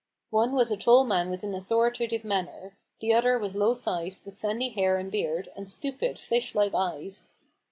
One was a tali man with an authoritative manner ; the other was low sized, with sandy hair and beard, and stupid, fish like eyes.